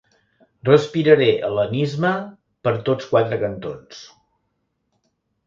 Respiraré hel·lenisme per tots quatre cantons.